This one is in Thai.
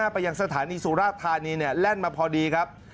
ไปยังสถานีสุราธานีแล่นมาพอดีครับ